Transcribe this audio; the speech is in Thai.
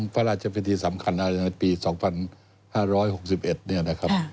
พระราชพิธีสำคัญในปี๒๕๖๑เนี่ยนะครับ